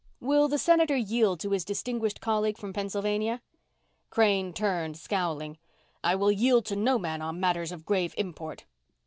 "Will the Senator yield to his distinguished colleague from Pennsylvania?" Crane turned, scowling. "I will yield to no man on matters of grave import."